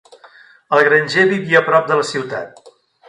El granger vivia a prop de la ciutat.